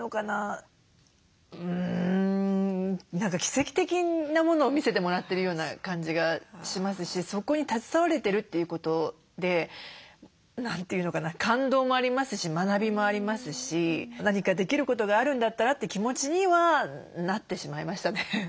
うん何か奇跡的なものを見せてもらってるような感じがしますしそこに携われてるということで感動もありますし学びもありますし何かできることがあるんだったらって気持ちにはなってしまいましたね。